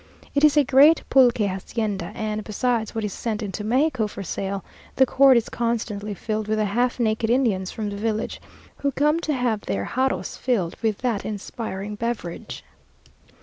It is a great pulque hacienda, and, besides what is sent into Mexico for sale, the court is constantly filled with the half naked Indians from the village, who come to have their jarros filled with that inspiring beverage.